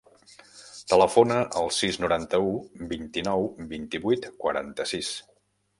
Telefona al sis, noranta-u, vint-i-nou, vint-i-vuit, quaranta-sis.